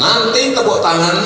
nanti tepuk tangan